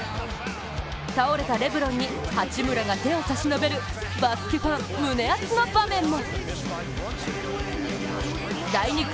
倒れたレブロンに八村が手を差し伸べるバスケファン胸アツの場面も。